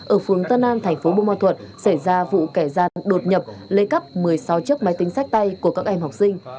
ở phường tân an thành phố bù ma thuật xảy ra vụ kẻ gian đột nhập lấy cắp một mươi sáu chiếc máy tính sách tay của các em học sinh